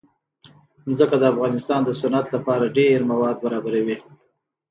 ځمکه د افغانستان د صنعت لپاره ډېر مواد برابروي.